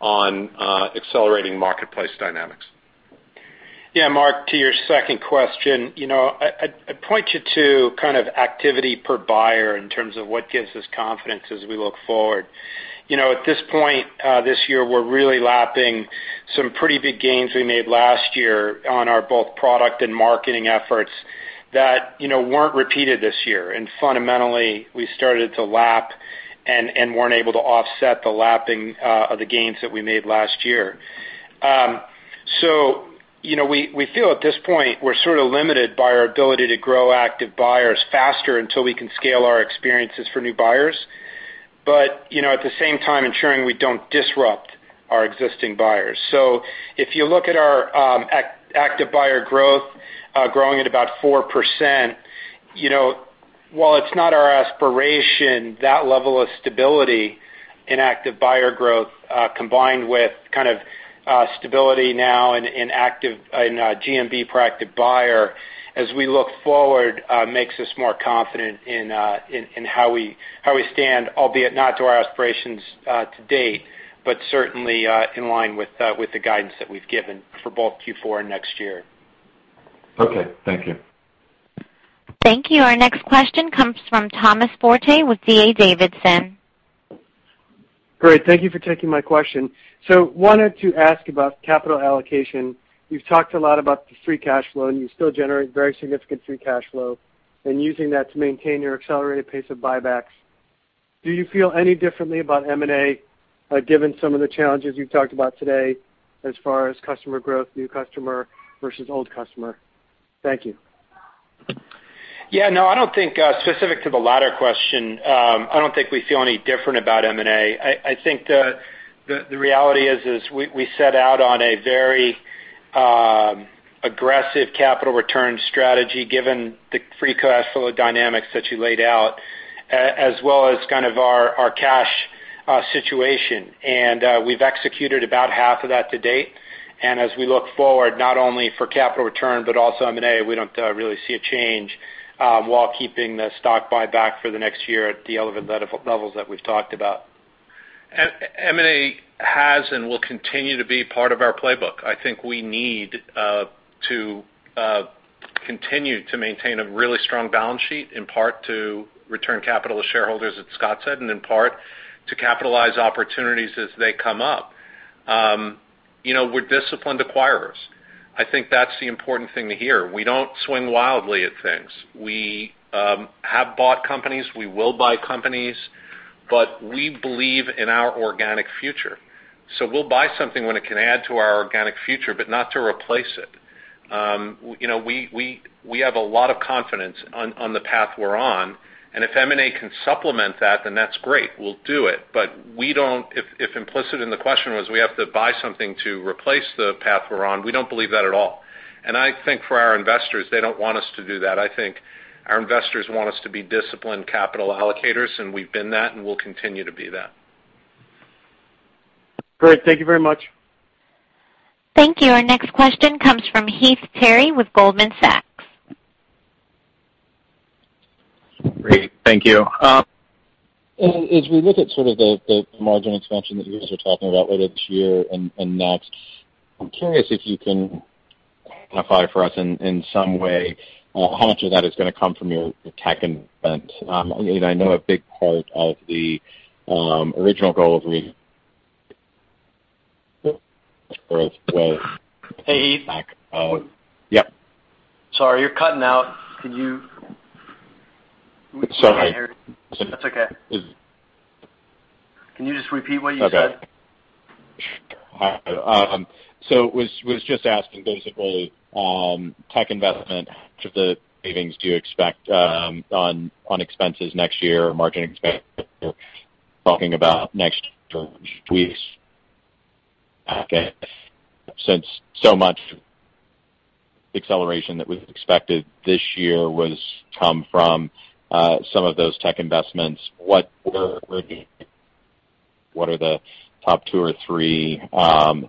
on accelerating marketplace dynamics. Yeah, Mark, to your second question, I'd point you to activity per buyer in terms of what gives us confidence as we look forward. At this point this year, we're really lapping some pretty big gains we made last year on our both product and marketing efforts that weren't repeated this year. Fundamentally, we started to lap and weren't able to offset the lapping of the gains that we made last year. We feel at this point, we're sort of limited by our ability to grow active buyers faster until we can scale our experiences for new buyers. At the same time, ensuring we don't disrupt our existing buyers. If you look at our active buyer growth, growing at about 4%, while it's not our aspiration, that level of stability in active buyer growth, combined with kind of stability now in GMV per active buyer, as we look forward, makes us more confident in how we stand, albeit not to our aspirations to date, but certainly in line with the guidance that we've given for both Q4 and next year. Okay. Thank you. Thank you. Our next question comes from Thomas Forte with D.A. Davidson. Great. Thank you for taking my question. Wanted to ask about capital allocation. You've talked a lot about the free cash flow, and you still generate very significant free cash flow and using that to maintain your accelerated pace of buybacks. Do you feel any differently about M&A, given some of the challenges you've talked about today as far as customer growth, new customer versus old customer? Thank you. Yeah, no, specific to the latter question, I don't think we feel any different about M&A. I think the reality is we set out on a very aggressive capital return strategy given the free cash flow dynamics that you laid out, as well as kind of our cash situation. We've executed about half of that to date. As we look forward, not only for capital return but also M&A, we don't really see a change while keeping the stock buyback for the next year at the elevated levels that we've talked about. M&A has and will continue to be part of our playbook. I think we need to continue to maintain a really strong balance sheet, in part to return capital to shareholders, as Scott said, and in part to capitalize opportunities as they come up. We're disciplined acquirers. I think that's the important thing to hear. We don't swing wildly at things. We have bought companies, we will buy companies, but we believe in our organic future. We'll buy something when it can add to our organic future, but not to replace it. We have a lot of confidence on the path we're on, and if M&A can supplement that, then that's great. We'll do it. If implicit in the question was we have to buy something to replace the path we're on, we don't believe that at all. I think for our investors, they don't want us to do that. I think our investors want us to be disciplined capital allocators, and we've been that, and we'll continue to be that. Great. Thank you very much. Thank you. Our next question comes from Heath Terry with Goldman Sachs. Great. Thank you. As we look at sort of the margin expansion that you guys are talking about later this year and next, I'm curious if you can quantify for us in some way how much of that is going to come from your tech investment. I know a big part of the original goal of the. Hey, Heath. Yep. Sorry, you're cutting out. Can you? Sorry. That's okay. Can you just repeat what you said? Okay. Was just asking basically tech investment, which of the savings do you expect on expenses next year or margin expansion talking about next since so much acceleration that was expected this year was come from some of those tech investments, what are the top two or three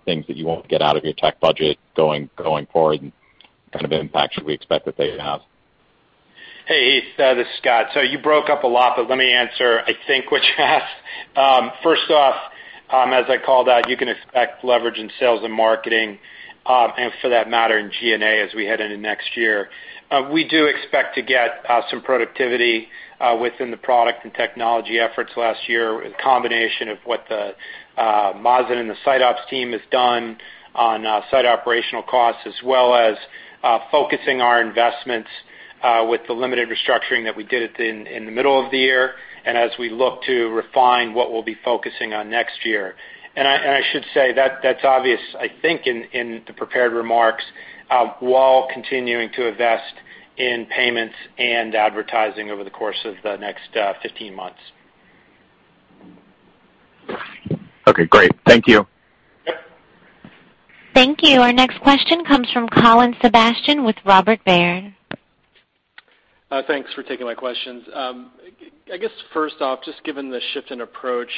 things that you won't get out of your tech budget going forward, and kind of impact should we expect that they have? Hey, Heath. This is Scott. You broke up a lot, but let me answer, I think what you asked. First off, as I called out, you can expect leverage in sales and marketing, and for that matter, in G&A as we head into next year. We do expect to get some productivity within the product and technology efforts last year, a combination of what the Mazen and the site ops team has done on site operational costs, as well as focusing our investments with the limited restructuring that we did in the middle of the year, and as we look to refine what we'll be focusing on next year. I should say that that's obvious, I think, in the prepared remarks, while continuing to invest in payments and advertising over the course of the next 15 months. Okay, great. Thank you. Yep. Thank you. Our next question comes from Colin Sebastian with Robert W. Baird. Thanks for taking my questions. First off, just given the shift in approach,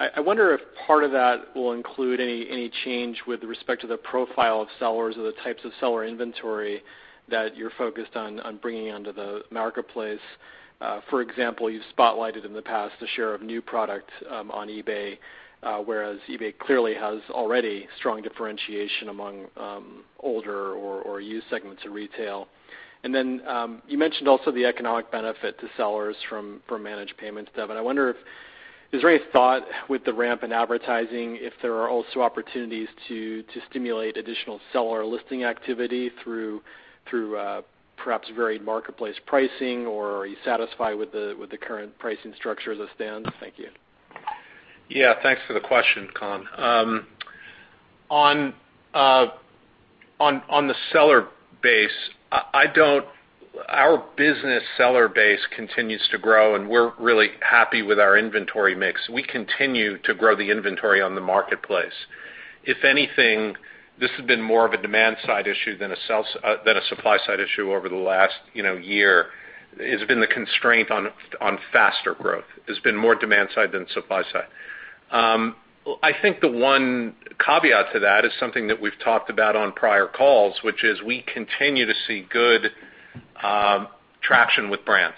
I wonder if part of that will include any change with respect to the profile of sellers or the types of seller inventory that you're focused on bringing onto the marketplace. For example, you've spotlighted in the past the share of new product on eBay, whereas eBay clearly has already strong differentiation among older or used segments of retail. Then, you mentioned also the economic benefit to sellers from Managed Payments, Dev. I wonder if there is any thought with the ramp in advertising if there are also opportunities to stimulate additional seller listing activity through perhaps varied marketplace pricing, or are you satisfied with the current pricing structure as it stands? Thank you. Thanks for the question, Colin. On the seller base, our business seller base continues to grow, and we're really happy with our inventory mix. We continue to grow the inventory on the marketplace. If anything, this has been more of a demand-side issue than a supply-side issue over the last year, has been the constraint on faster growth. It's been more demand side than supply side. I think the one caveat to that is something that we've talked about on prior calls, which is we continue to see good traction with brands,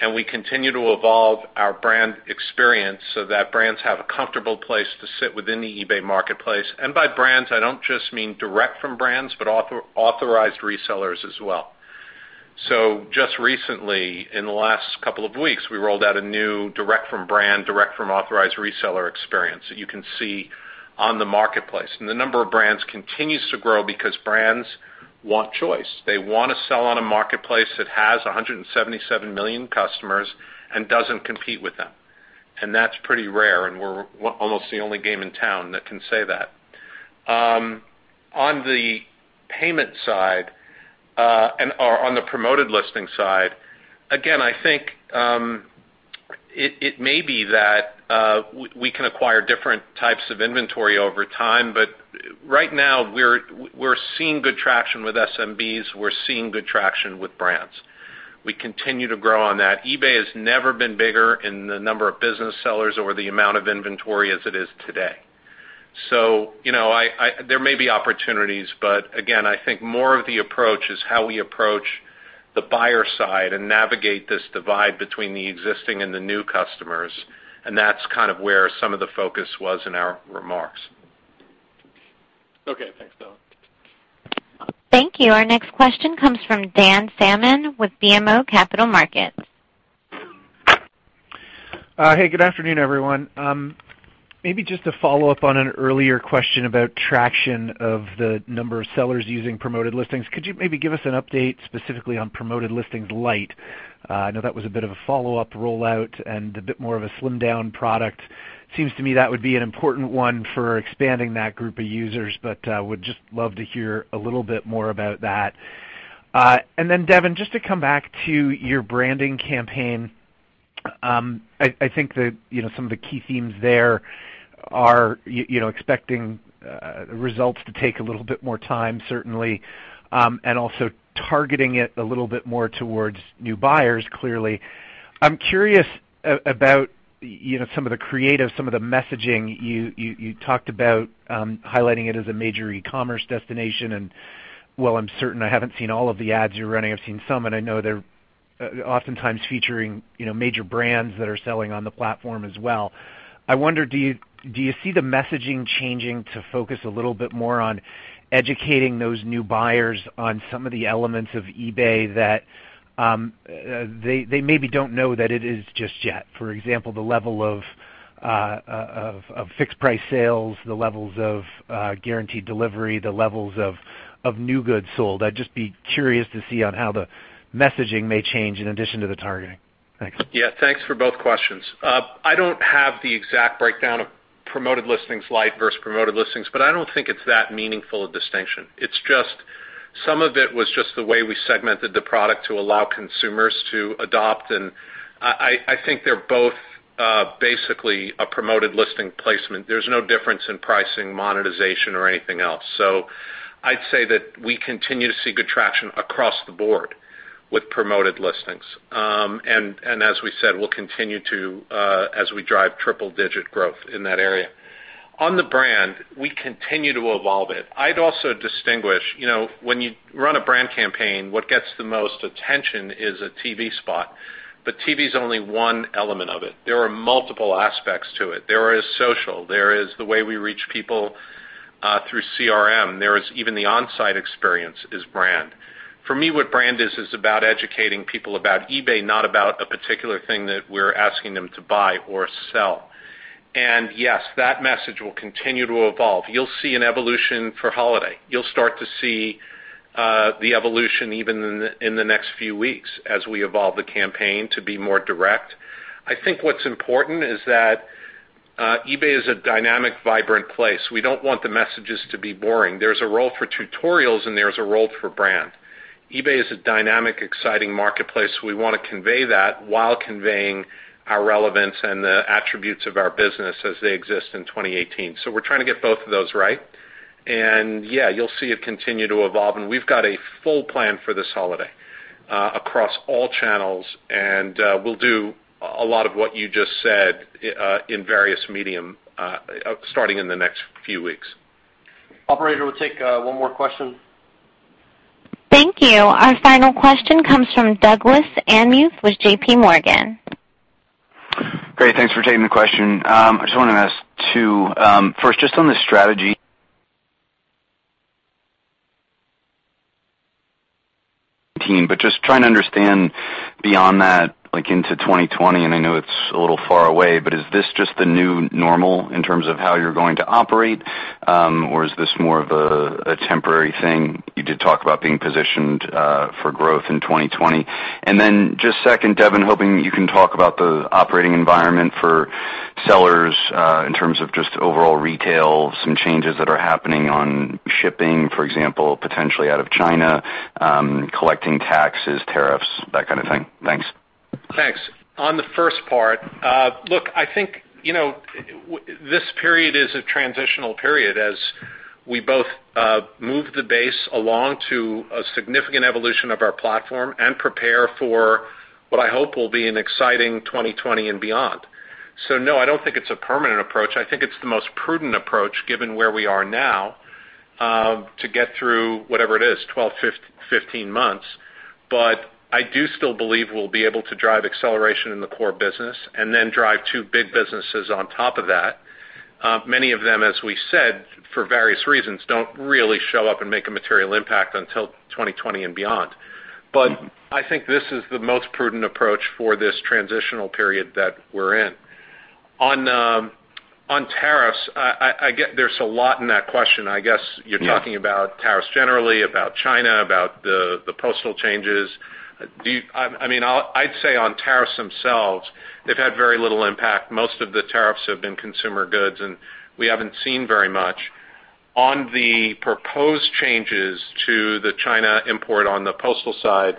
and we continue to evolve our brand experience so that brands have a comfortable place to sit within the eBay marketplace. By brands, I don't just mean direct from brands, but authorized resellers as well. Just recently, in the last couple of weeks, we rolled out a new direct from brand, direct from authorized reseller experience that you can see on the marketplace. The number of brands continues to grow because brands want choice. They want to sell on a marketplace that has 177 million customers and doesn't compete with them. That's pretty rare, and we're almost the only game in town that can say that. On the payment side, or on the Promoted Listings side, again, I think it may be that we can acquire different types of inventory over time, but right now we're seeing good traction with SMBs. We're seeing good traction with brands. We continue to grow on that. eBay has never been bigger in the number of business sellers or the amount of inventory as it is today. There may be opportunities, but again, I think more of the approach is how we approach the buyer side and navigate this divide between the existing and the new customers, and that's kind of where some of the focus was in our remarks. Okay, thanks, Devin. Thank you. Our next question comes from Dan Salmon with BMO Capital Markets. Hey, good afternoon, everyone. Maybe just to follow up on an earlier question about traction of the number of sellers using Promoted Listings. Could you maybe give us an update specifically on Promoted Listings Lite? I know that was a bit of a follow-up rollout and a bit more of a slimmed-down product. Seems to me that would be an important one for expanding that group of users, but would just love to hear a little bit more about that. Then Devin, just to come back to your branding campaign. I think that some of the key themes there are expecting results to take a little bit more time, certainly, and also targeting it a little bit more towards new buyers, clearly. I'm curious about some of the creative, some of the messaging you talked about highlighting it as a major e-commerce destination and while I'm certain I haven't seen all of the ads you're running, I've seen some, and I know they're oftentimes featuring major brands that are selling on the platform as well. I wonder, do you see the messaging changing to focus a little bit more on educating those new buyers on some of the elements of eBay that they maybe don't know that it is just yet? For example, the level of fixed-price sales, the levels of Guaranteed Delivery, the levels of new goods sold. I'd just be curious to see on how the messaging may change in addition to the targeting. Thanks. Thanks for both questions. I don't have the exact breakdown of Promoted Listings Lite versus Promoted Listings, I don't think it's that meaningful a distinction. It's just some of it was just the way we segmented the product to allow consumers to adopt, I think they're both basically a Promoted Listing placement. There's no difference in pricing, monetization, or anything else. I'd say that we continue to see good traction across the board with Promoted Listings. As we said, we'll continue to as we drive triple-digit growth in that area. On the brand, we continue to evolve it. I'd also distinguish, when you run a brand campaign, what gets the most attention is a TV spot, TV's only one element of it. There are multiple aspects to it. There is social. There is the way we reach people through CRM. There is even the on-site experience is brand. For me, what brand is about educating people about eBay, not about a particular thing that we're asking them to buy or sell. Yes, that message will continue to evolve. You'll see an evolution for holiday. You'll start to see the evolution even in the next few weeks as we evolve the campaign to be more direct. I think what's important is that eBay is a dynamic, vibrant place. We don't want the messages to be boring. There's a role for tutorials and there's a role for brand. eBay is a dynamic, exciting marketplace. We want to convey that while conveying our relevance and the attributes of our business as they exist in 2018. We're trying to get both of those right. You'll see it continue to evolve, we've got a full plan for this holiday across all channels, we'll do a lot of what you just said in various medium, starting in the next few weeks. Operator, we'll take one more question. Thank you. Our final question comes from Douglas Anmuth with JP Morgan. Great. Thanks for taking the question. I just wanted to ask two. First, just on the strategy but just trying to understand beyond that, like into 2020, and I know it's a little far away, but is this just the new normal in terms of how you're going to operate? Or is this more of a temporary thing? You did talk about being positioned for growth in 2020. Then just second, Devin, hoping that you can talk about the operating environment for sellers, in terms of just overall retail, some changes that are happening on shipping, for example, potentially out of China, collecting taxes, tariffs, that kind of thing. Thanks. Thanks. On the first part, look, I think this period is a transitional period as we both move the base along to a significant evolution of our platform and prepare for what I hope will be an exciting 2020 and beyond. No, I don't think it's a permanent approach. I think it's the most prudent approach, given where we are now, to get through whatever it is, 12, 15 months. I do still believe we'll be able to drive acceleration in the core business and then drive two big businesses on top of that. Many of them, as we said, for various reasons, don't really show up and make a material impact until 2020 and beyond. I think this is the most prudent approach for this transitional period that we're in. On tariffs, there's a lot in that question. I guess you're talking about tariffs generally, about China, about the postal changes. I'd say on tariffs themselves, they've had very little impact. Most of the tariffs have been consumer goods, and we haven't seen very much. On the proposed changes to the China import on the postal side,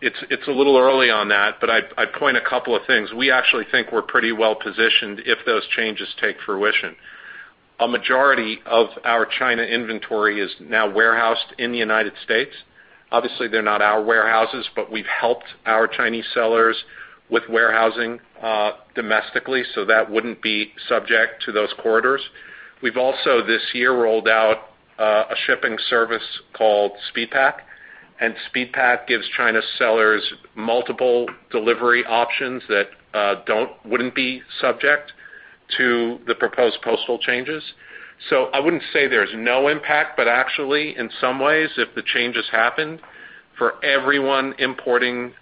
it's a little early on that, but I'd point a couple of things. We actually think we're pretty well-positioned if those changes take fruition. A majority of our China inventory is now warehoused in the U.S. Obviously, they're not our warehouses, but we've helped our Chinese sellers with warehousing domestically, so that wouldn't be subject to those corridors. We've also, this year, rolled out a shipping service called SpeedPAK, and SpeedPAK gives China sellers multiple delivery options that wouldn't be subject to the proposed postal changes. I wouldn't say there's no impact, but actually, in some ways, if the changes happen, for everyone importing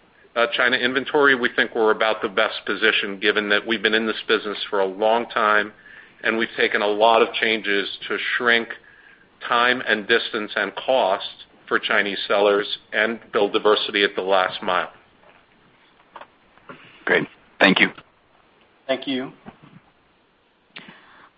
China inventory, we think we're about the best position, given that we've been in this business for a long time and we've taken a lot of changes to shrink time and distance and cost for Chinese sellers and build diversity at the last mile. Great. Thank you. Thank you.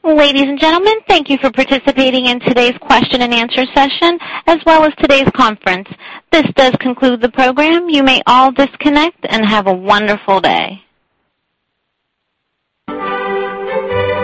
Ladies and gentlemen, thank you for participating in today's question and answer session, as well as today's conference. This does conclude the program. You may all disconnect, and have a wonderful day.